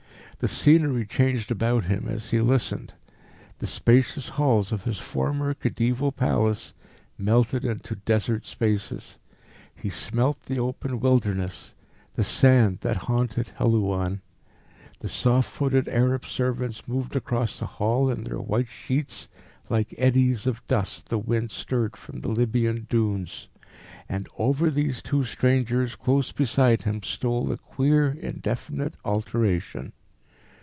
The scenery changed about him as he listened. The spacious halls of this former khedivial Palace melted into Desert spaces. He smelt the open wilderness, the sand that haunted Helouan. The soft footed Arab servants moved across the hall in their white sheets like eddies of dust the wind stirred from the Libyan dunes. And over these two strangers close beside him stole a queer, indefinite alteration.